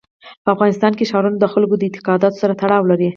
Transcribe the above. په افغانستان کې ښارونه د خلکو د اعتقاداتو سره تړاو لري.